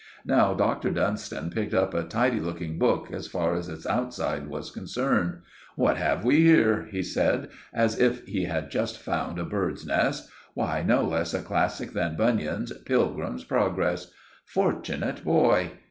Now Dr. Dunstan picked up a tidy looking book, as far as its outside was concerned. "What have we here?" he said, as if he had just found a bird's nest. "Why, no less a classic than Bunyan's Pilgrim's Progress! Fortunate boy!